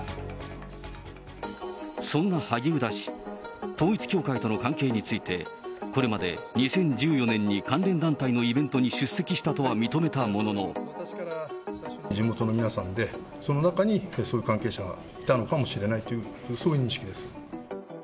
そんな萩生田氏、統一教会との関係について、これまで２０１４年に関連団体のイベントに出席したとは認めたも地元の皆さんで、その中に、そういう関係者がいたのかもしれないという、そういう認識です。